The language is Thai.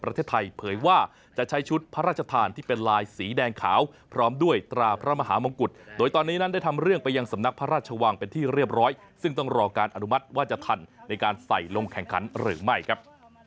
ประเทศไทยเผยว่าจะใช้ชุดพระราชทานที่เป็นลายสีแดงขาวพร้อมด้วยตราพระมหามงกุฎโดยตอนนี้นั้นได้ทำเรื่องไปยังสำนักพระราชวังเป็นที่เรียบร้อยซึ่งต้องรอการอนุมัติว่าจะทันในการใส่ลงแข่งขันหรือไม่ครับ